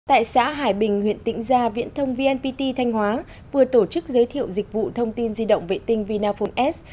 tại xã hải bình huyện tĩnh gia viễn thông vnpt thanh hóa vừa tổ chức giới thiệu dịch vụ thông tin di động vệ tinh vinaphone s